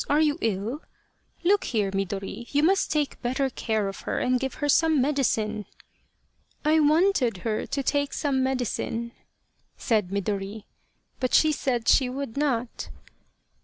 are you ill ? Look here, Midori, you must take better care of her and give her some medicine." " I wanted her to take some medicine," said Midori, " but she said she would not."